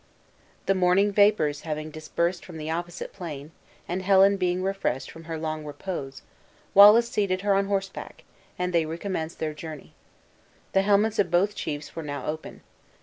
The morning vapors having dispersed from the opposite plain, and Helen being refreshed by her long repose, Wallace seated her on horseback, and they recommenced their journey. The helmets of both chiefs were now open.